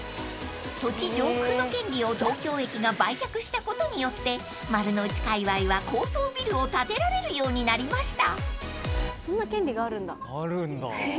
［土地上空の権利を東京駅が売却したことによって丸の内かいわいは高層ビルを建てられるようになりました］